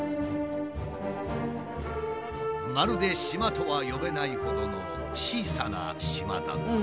まるで島とは呼べないほどの小さな島だが。